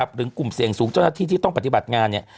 กลุ่มเสี่ยงสูงเจ้าหน้าที่ที่ต้องปฏิบัติงาน